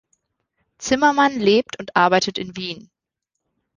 Zimmermann lebt und arbeitet in Wien.